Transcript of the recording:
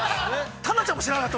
◆タナちゃんも知らなかった？